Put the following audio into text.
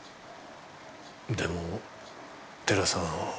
でも寺さんを。